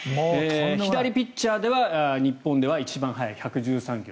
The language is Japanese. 左ピッチャーでは日本で一番速い、１１３ｋｍ。